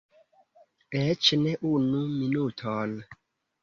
Eĉ ne unu minuton!